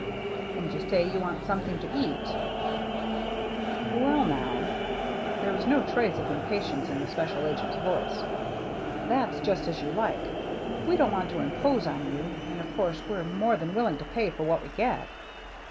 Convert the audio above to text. "And you say you want something to cat?" THE GINGHAM DRESS 271 " Well, now," — there was no trace of im patience in the special agent's voice, —" that's just as you like. We don't want to impose on you ; and of course we're more than willing to pay for what we get."